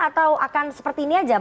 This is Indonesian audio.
atau akan seperti ini aja